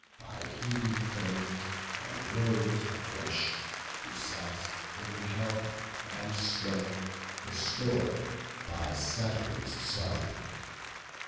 By Hebe bath'd, and rob'd afresh, he sat In health and strength restor'd, by Saturn's son.